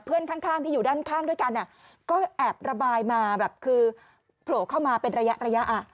เพื่อนข้างที่อยู่ด้านข้างด้วยกันก็แอบระบายมาแบบคือโผล่เข้ามาเป็นระยะ